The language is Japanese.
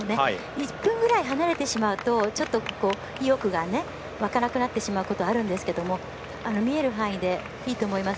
１分ぐらい離れてしまうと意欲が湧かなくなってしまうことがあるんですけど見える範囲でいいと思います。